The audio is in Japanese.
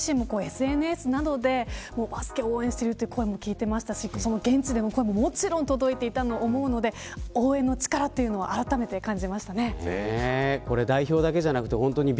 私自身もＳＮＳなどでバスケを応援するという声も聞いてましたし現地での声ももちろん届いていたと思うので応援の力をあらためて感じましたね。